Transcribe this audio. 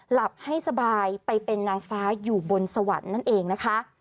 หลับให้สบายไปเป็นนางฟ้าอยู่บนสวรรค์นั่นเองนะคะ